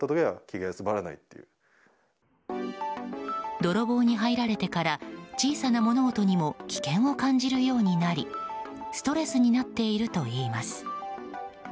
泥棒に入られてから小さな物音にも危険を感じるようになりストレスになっているといいます。